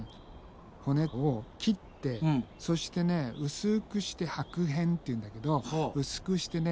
骨を切ってそしてね薄くして剥片っていうんだけど薄くしてね